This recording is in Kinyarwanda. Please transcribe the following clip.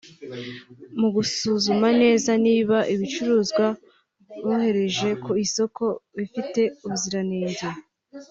Mu gusuzuma neza niba ibicuruzwa bohereje ku isoko bifite ubuziranenge